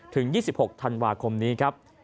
ถึง๒๖ธันวาคมนี้ครับ